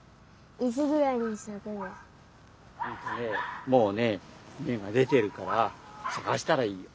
うんとねもうねめがでてるからさがしたらいいよ。